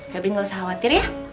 happy gak usah khawatir ya